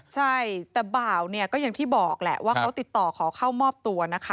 ใช่แต่บ่าวเนี่ยก็อย่างที่บอกแหละว่าเขาติดต่อขอเข้ามอบตัวนะคะ